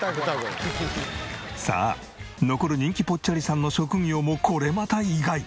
さあ残る人気ぽっちゃりさんの職業もこれまた意外。